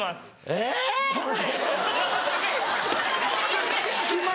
えっ？